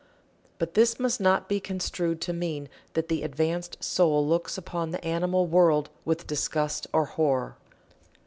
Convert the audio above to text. But this must not be construed to mean that the advanced soul looks upon the animal world with disgust or horror.